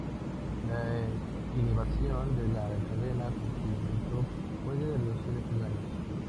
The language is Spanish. La inhibición de la cadena complemento puede reducir estos daños.